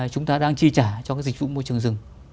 chúng ta đang chi trả cho cái dịch vụ môi trường rừng